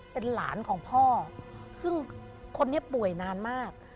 เป็นหลานของพ่อซึ่งคนนี้ป่วยนานมาก